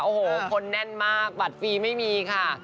โอ้โหคนแน่นมากบัตรฟรีไม่มีค่ะ